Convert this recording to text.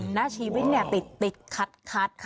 หน้าชีวิตเนี่ยติดคัด